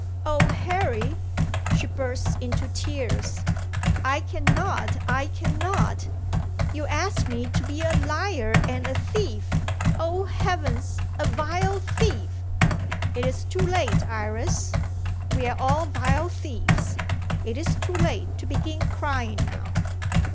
"Oh, Harry!" she burst into tears. "I cannot I cannot. You ask me to be a liar and a thief oh! heavens! a vile thief! "It is too late, Iris! We are all vile thieves. It is too late to begin crying now."